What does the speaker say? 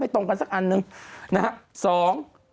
ถูกต้องไหม๓อันวัดไม่ตรงกันสักอันหนึ่ง